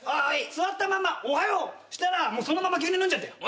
座ったまんま「おはよう」したらそのまま牛乳飲んじゃってよ。